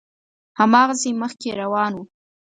هماغسې مخکې روان و.